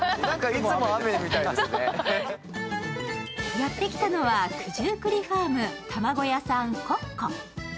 やってきたのは九十九里ファームたまご屋さんコッコ。